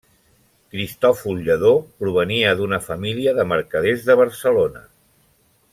Cristòfol Lledó provenia d'una família de mercaders de Barcelona.